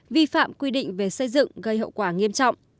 vi phạm quy định về xây dựng gây hậu quả nghiêm trọng